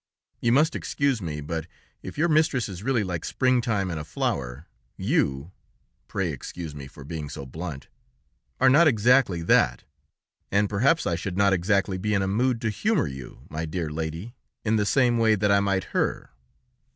'You must excuse me, but if your mistress is really like springtime and a flower, you (pray excuse me for being so blunt) are not exactly that, and perhaps I should not exactly be in a mood to humor you, my dear lady, in the same way that I might her.'